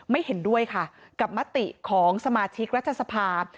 ไม่เห็นด้วยค่ะกับมติของสมาชิกรัฐสภาพ